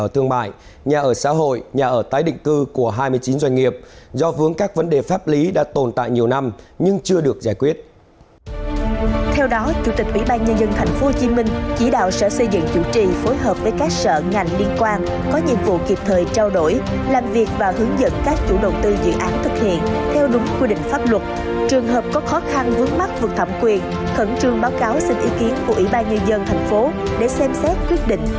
trường hợp có khó khăn vướng mắt vượt thẩm quyền khẩn trương báo cáo xin ý kiến của ủy ban nhân dân tp hcm để xem xét quyết định